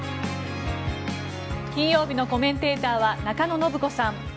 金曜日のコメンテーターは中野信子さん